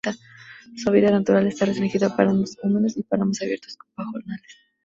Su hábitat natural está restringido a páramos húmedos y páramos abiertos con pajonales.